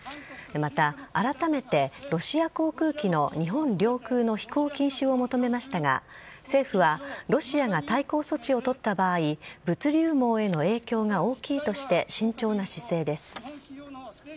また改めて、ロシア航空機の日本領空の飛行禁止を求めましたが、政府は、ロシアが対抗措置を取った場合、物流網への影響が大きいとして、慎重な姿勢です。